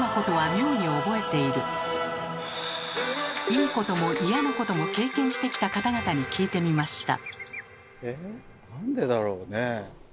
いいことも嫌なことも経験してきた方々に聞いてみました。